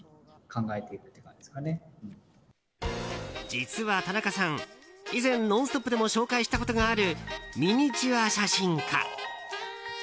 実は田中さん以前、「ノンストップ！」でも紹介したことがあるミニチュア写真家。